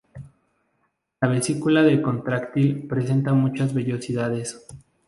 La vesícula d contráctil presenta muchas vellosidades.